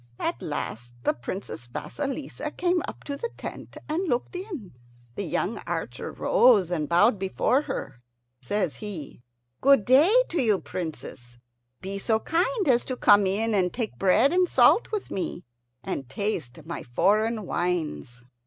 At last the Princess Vasilissa came up to the tent and looked in. The young archer rose and bowed before her. Says he, "Good day to you, Princess! Be so kind as to come in and take bread and salt with me, and taste my foreign wines."